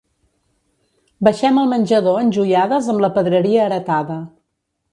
Baixem al menjador enjoiades amb la pedreria heretada.